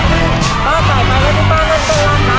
ถึงไปเร้วก็คิดว่าค่ะ